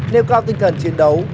nêu cao tinh thần chiến đấu